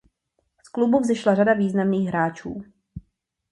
Z klubu vzešla řada významných hráčů.